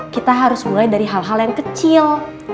kita harus mulai dari hal hal yang kecil